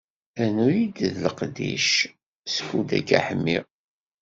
Rnu-yi-d leqdic skud akka ḥmiɣ.